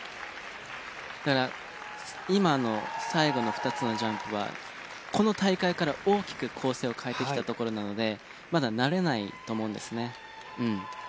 だから今の最後の２つのジャンプはこの大会から大きく構成を変えてきたところなのでまだ慣れないと思うんですね。